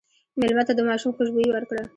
مېلمه ته د ماشوم خوشبويي ورکړه.